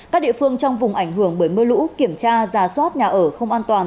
các địa phương trong vùng ảnh hưởng bởi mưa lũ kiểm tra giả soát nhà ở không an toàn